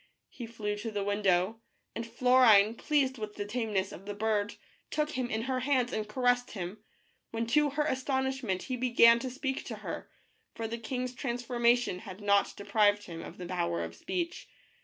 He flew to the window, and Florine, pleased with the tameness of the bird, took him in her hands and caressed him, when to her astonishment he began to speak to her, for the king's trans formation had not deprived him of the power of speech.